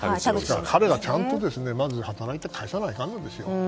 彼がちゃんと働いて返さないといかんのですよ。